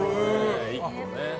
１個ね。